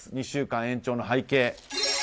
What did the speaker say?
２週間延長の背景。